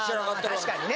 確かにね。